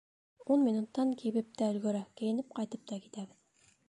Ун минуттан кибеп тә өлгөрә, кейенеп ҡайтып та китәбеҙ.